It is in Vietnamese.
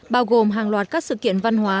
bao gồm hàng loạt các sự kiện văn hóa